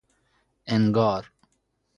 انگار